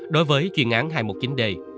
đối với chuyên án hai trăm một mươi chín d